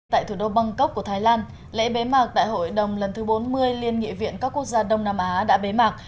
tại thủ đô bangkok của thái lan lễ bế mạc đại hội đồng lần thứ bốn mươi liên nghị viện các quốc gia đông nam á đã bế mạc